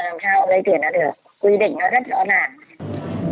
quy định nó rất rõ ràng